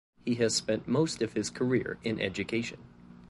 He has spent most of his career in education.